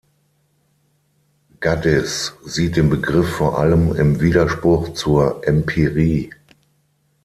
Gaddis sieht den Begriff vor allem im Widerspruch zur Empirie.